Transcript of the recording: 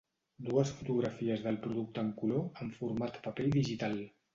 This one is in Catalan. Dues fotografies del producte en color, en format paper i digital.